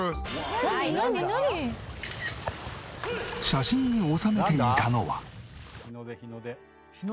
写真に収めていたのは。